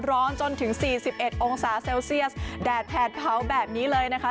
จนถึง๔๑องศาเซลเซียสแดดแผดเผาแบบนี้เลยนะคะ